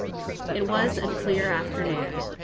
It was a clear afternoon.